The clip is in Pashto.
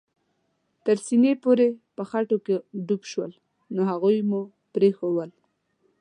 تر سېنې پورې په خټو کې ډوب شول، نو هغوی مو پرېښوول.